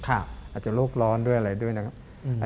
อาจจะโรคร้อนด้วยอะไรด้วยนะครับ